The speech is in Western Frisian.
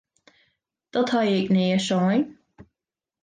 Dat ha ik nea sein!